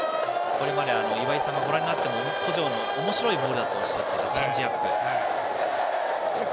岩井さんがご覧になった小城のおもしろいボールだとおっしゃっていたチェンジアップ。